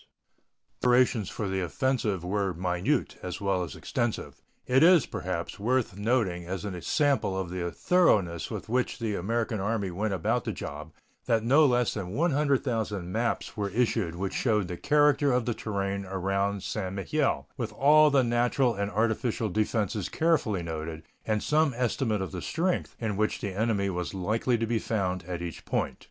The preparations for the offensive were minute as well as extensive. It is, perhaps, worth noting as a sample of the thoroughness with which the American Army went about the job that no less than 100,000 maps were issued which showed the character of the terrain around St. Mihiel, with all the natural and artificial defenses carefully noted, and some estimate of the strength in which the enemy was likely to be found at each point.